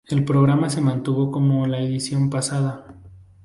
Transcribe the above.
El programa se mantuvo como en la edición pasada.